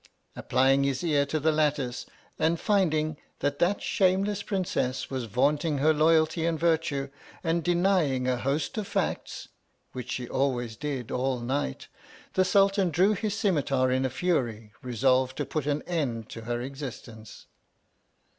Applying his ear to the lattice, and finding that that shameless Princess was vaunting her loyalty and virtue, and denying a host of facts — which she always did, all night — the Sultan drew his scimitar in a fury, resolved to put an end to her existence.